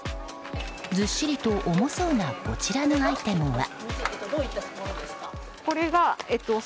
ずっしりと重そうなこちらのアイテムは。